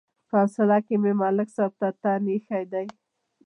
په حوصله کې مې ملک صاحب ته تن ایښی دی.